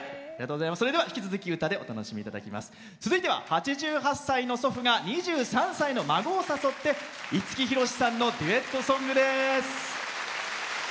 ８８歳の祖父が２３歳の孫を誘って五木ひろしさんのデュエットソングです。